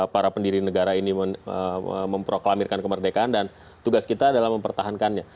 para pendiri negara ini memproklamirkan kemerdekaan dan tugas kita adalah mempertahankannya